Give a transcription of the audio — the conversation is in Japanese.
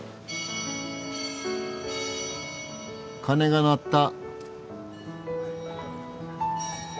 鐘が鳴った。